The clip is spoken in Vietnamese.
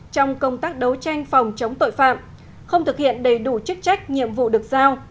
trong công tác đấu tranh phòng chống tội phạm không thực hiện đầy đủ chức trách nhiệm vụ được giao